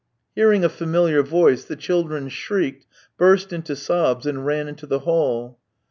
Hearing a familiar voice, the children shrieked, burst into sobs, and ran into the hall.